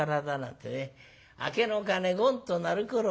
『明けの鐘ごんと鳴るころ